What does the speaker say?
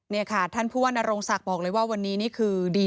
นี่ค่ะท่านผู้ว่านโรงศักดิ์บอกเลยว่าวันนี้นี่คือดี